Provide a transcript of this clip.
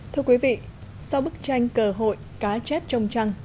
thưa quý vị sau bức tranh cờ hội cá chết trong trăng